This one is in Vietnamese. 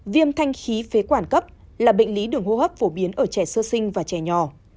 viêm thanh khí phế quản cấp là bệnh lý đường hô hấp phổ biến ở trẻ sơ sinh và trẻ nhỏ